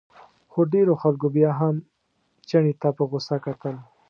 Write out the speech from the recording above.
خو ډېرو خلکو بیا هم چیني ته په غوسه کتل.